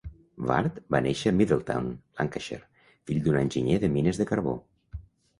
Ward va néixer a Middleton, Lancashire, fill d'un enginyer de mines de carbó.